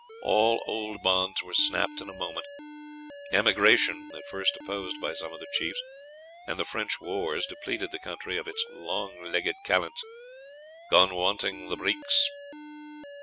All old bonds were snapped in a moment; emigration (at first opposed by some of the chiefs) and the French wars depleted the country of its "lang leggit callants, gaun wanting the breeks."